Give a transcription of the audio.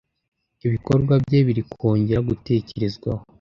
Ibikorwa bye biri kongera gutekerezwaho